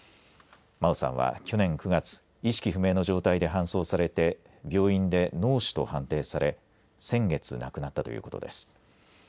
真愛さんは、去年９月意識不明の状態で搬送されて病院で脳死と判定され先月亡くなったということです。